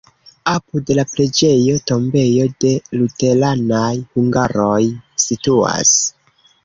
Apud la preĝejo tombejo de luteranaj hungaroj situas.